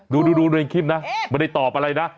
ดูในคลิปนะไม่ได้ตอบอะไรนะ